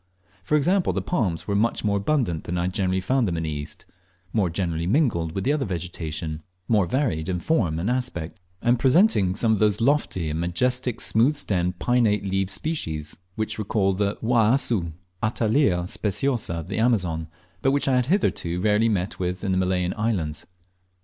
For example, the palms were much more abundant than I had generally found them in the East, more generally mingled with the other vegetation, more varied in form and aspect, and presenting some of those lofty and majestic smooth stemmed, pinnate leaved species which recall the Uauassu (Attalea speciosa) of the Amazon, but which I had hitherto rarely met with in the Malayan islands.